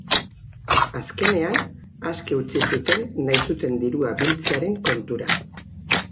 Azkenean, aske utzi zuten nahi zuten dirua biltzearen kontura.